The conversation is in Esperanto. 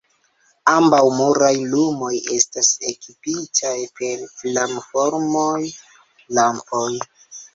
Ambaŭ muraj lumoj estas ekipitaj per flamformaj lampoj.